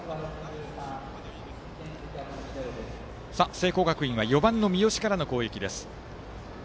聖光学院は４番の三好からの攻撃。